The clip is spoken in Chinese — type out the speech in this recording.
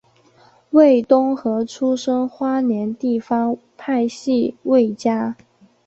魏东河出身花莲地方派系魏家。